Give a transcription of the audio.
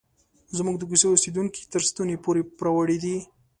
زموږ د کوڅې اوسیدونکي تر ستوني پورې پوروړي دي.